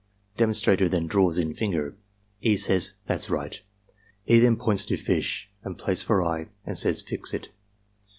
Demonstrator then draws in finger. E. says, "That's right." E. then points to fish and place for eye and says, "Fix it."